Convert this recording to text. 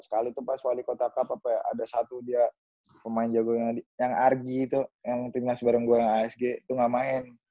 sekali tuh pas wali kota cup ada satu dia pemain jago yang argy itu yang timnas bareng gue yang asg itu gak main